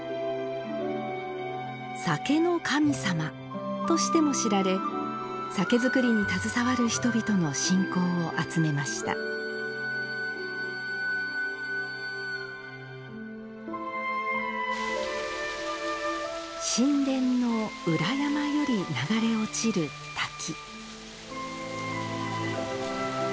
酒の神様としても知られ酒造りに携わる人々の信仰を集めました神殿の裏山より流れ落ちる滝